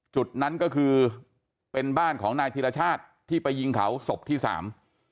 จุดนั้นก็คือเป็นบ้านของนายธิรชาติที่ไปยิงเขาศพที่สาม